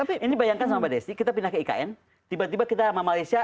tapi ini bayangkan sama mbak desy kita pindah ke ikn tiba tiba kita sama malaysia